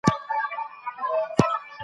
موږ د تاريخ په اړه معقولې خبري ته اړتيا لرو.